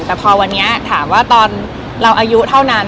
แต่พอวันนี้ถามว่าตอนเราอายุเท่านั้น